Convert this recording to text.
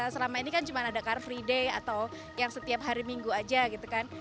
selama ini kan cuma ada car free day atau yang setiap hari minggu aja gitu kan